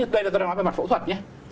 đây là tôi nói về mặt phẫu thuật nhé